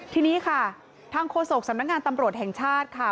ทีนี้ค่ะทางโฆษกสำนักงานตำรวจแห่งชาติค่ะ